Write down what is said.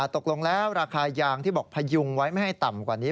ตกลงแล้วราคายางที่บอกพยุงไว้ไม่ให้ต่ำกว่านี้